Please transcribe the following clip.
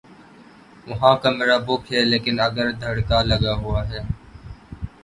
وہاں کمرہ بک ہے لیکن اگر دھڑکا لگا ہوا ہے۔